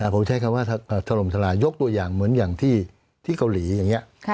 ผมใช้คำว่าถล่มทลายยกตัวอย่างเหมือนอย่างที่เกาหลีอย่างนี้